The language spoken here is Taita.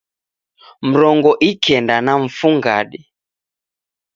Mrongo ikenda na mfungade